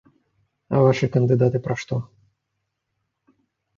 А вашы кандыдаты пра што?